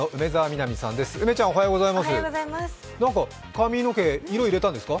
なんか髪の毛、色入れたんですか？